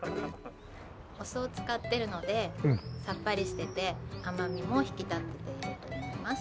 お酢を使ってるのでさっぱりしてて甘みも引き立っていると思います。